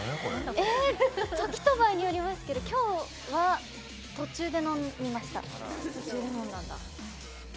時と場合によりますけど今日は、途中で飲みました。